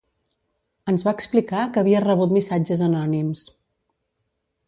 Ens va explicar que havia rebut missatges anònims.